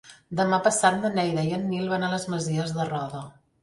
Demà passat na Neida i en Nil van a les Masies de Roda.